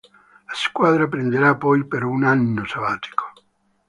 La squadra prenderà poi però un anno sabbatico.